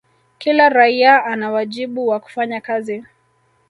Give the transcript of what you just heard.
kila raia ana wajibu wa kufanya kazi